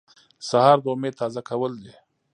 سهار د امید تازه کول دي.